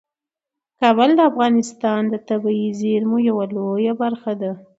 کابل د افغانستان د طبیعي زیرمو یوه لویه برخه ده.